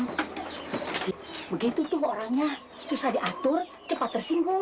begitu tuh orangnya susah diatur cepat tersinggung